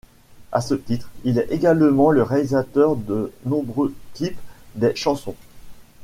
À ce titre il est également le réalisateur de nombreux clips des chansons.